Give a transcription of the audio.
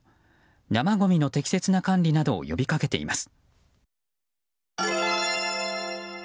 生ごみの適切な管理などを呼び掛けています。